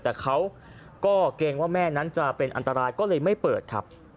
แต่เขาก็เกรงว่าแม่นั้นจะเป็นอันตรายก็เลยไม่เปิดครับ